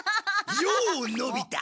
ようのび太！